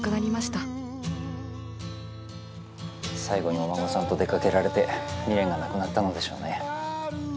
最後にお孫さんと出掛けられて未練がなくなったのでしょうね。